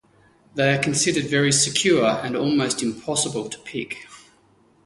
They are considered very secure and almost impossible to pick.